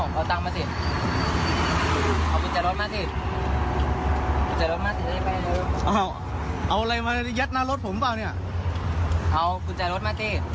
เป็นยังไงจะทำยังไงจะกลับบ้านเอาคุณกุญแจรถมาสิ